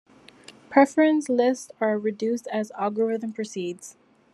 Preference lists are reduced as algorithm proceeds.